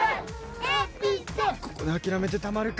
ここで諦めてたまるか。